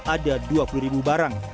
ada dua puluh ribu barang